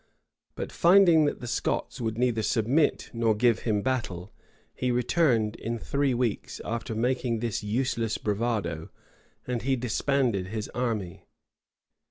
[] But finding that the Scots would neither submit nor give him battle, he returned in three weeks, after making this useless bravado; and he disbanded his army.